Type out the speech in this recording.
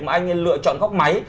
anh lựa chọn góc máy